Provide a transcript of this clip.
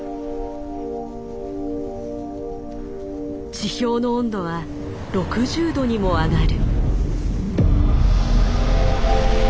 地表の温度は６０度にも上がる。